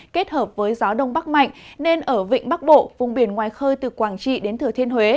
kết hợp với gió đông bắc mạnh nên ở vịnh bắc bộ vùng biển ngoài khơi từ quảng trị đến thừa thiên huế